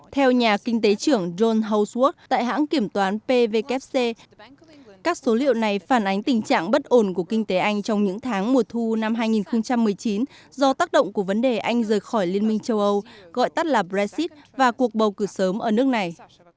theo nhà kinh tế trưởng john houseworth tại hãng kiểm toán pvkc các số liệu này phản ánh tình trạng bất ổn của kinh tế anh trong những tháng mùa thu năm hai nghìn một mươi chín do tác động của vấn đề anh rời khỏi liên minh châu âu gọi tắt là brexit và cuộc bầu cử sớm ở nước này